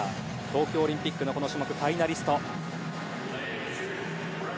東京オリンピックのこの種目、ファイナリスト。